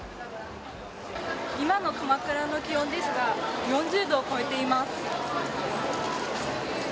今の鎌倉の気温ですが４０度を超えています。